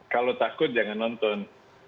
kalau takut jangan nonton